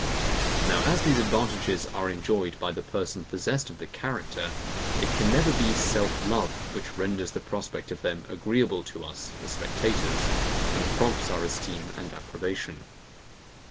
Now as these advantages are enjoyed by the person possessed of the character, it can never be SELF LOVE which renders the prospect of them agreeable to us, the spectators, and prompts our esteem and approbation.